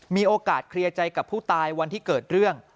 มีโอกาสเคลียร์ใจกับผู้ตายวันที่เกิดเรื่อง